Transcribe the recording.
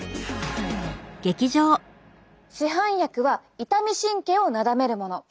市販薬は痛み神経をなだめるもの。